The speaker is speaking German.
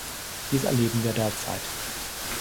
Dies erleben wir derzeit.